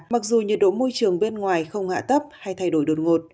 mặc dù nhiệt độ môi trường bên ngoài không hạ thấp hay thay đổi đột ngột